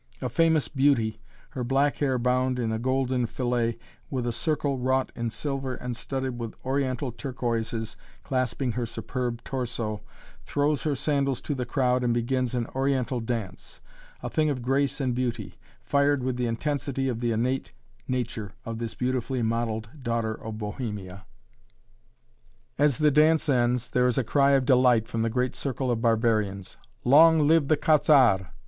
A famous beauty, her black hair bound in a golden fillet with a circle wrought in silver and studded with Oriental turquoises clasping her superb torso, throws her sandals to the crowd and begins an Oriental dance a thing of grace and beauty fired with the intensity of the innate nature of this beautifully modeled daughter of Bohemia. As the dance ends, there is a cry of delight from the great circle of barbarians. "Long live the Quat'z' Arts!"